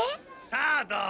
さあどう？